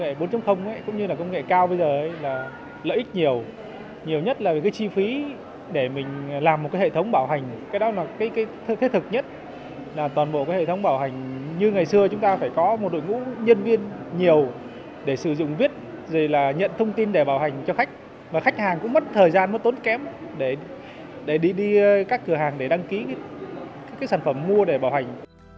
cái lợi ích mà công nghệ bốn cũng như là công nghệ cao bây giờ là lợi ích nhiều nhiều nhất là cái chi phí để mình làm một cái hệ thống bảo hành cái đó là cái thực nhất là toàn bộ cái hệ thống bảo hành như ngày xưa chúng ta phải có một đội ngũ nhân viên nhiều để sử dụng viết rồi là nhận thông tin để bảo hành cho khách mà khách hàng cũng mất thời gian mất tốn kém để đi các cửa hàng để đăng ký cái sản phẩm mua để bảo hành